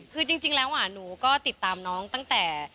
คือจริงแล้วหนูก็ติดตามน้องตั้งแต่